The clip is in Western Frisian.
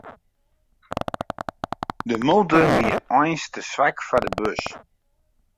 De motor wie eink te swak foar de bus.